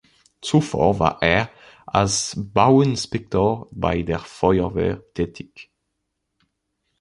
Zuvor war er als Bauinspektor bei der Feuerwehr tätig.